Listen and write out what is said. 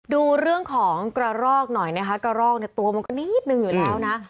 ดูเรื่องของกระรอกหน่อยนะคะกระรอกเนี่ยตัวมันก็นิดนึงอยู่แล้วนะ